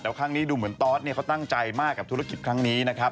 แต่ครั้งนี้ดูเหมือนตอสเขาตั้งใจมากกับธุรกิจครั้งนี้นะครับ